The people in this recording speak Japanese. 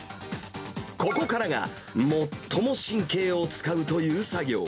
ここからが、最も神経を使うという作業。